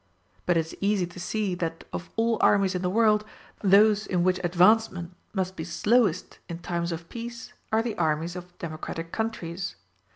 But it is easy to see, that of all armies in the world, those in which advancement must be slowest in time of peace are the armies of democratic countries.